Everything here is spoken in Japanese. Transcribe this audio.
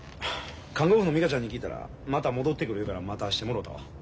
看護婦のミカちゃんに聞いたらまた戻って来る言うから待たしてもろうたわ。